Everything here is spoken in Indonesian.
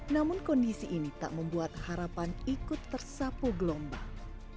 namun kondisi ini tak membuat harapan ikut tersapu gelombang